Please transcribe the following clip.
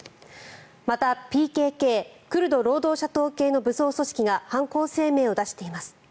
また、ＰＫＫ・クルド労働者党系の武装組織が犯行声明を出しています。